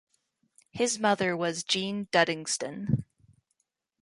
His mother was Jean Duddingston.